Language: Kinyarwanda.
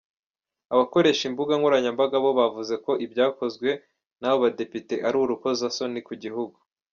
Abakoresha imbuga nkoranyambaga bo bavuze ko ibyakozwe n’abo badepite ari urukozasoni ku gihugu.